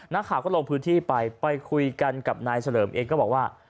นักข่าวก็ลงพื้นที่ไปไปคุยกันกับนายเฉลิมเองก็บอกว่า